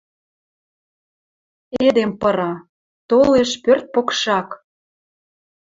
Эдем пыра. Толеш пӧрт покшак.